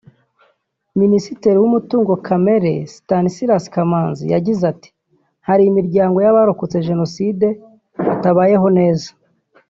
Minisitiri w’ umutungo kamere Stanislas Kamanzi yagize ati “Hari imiryango y’Abarokotse Jenoside batabayeho neza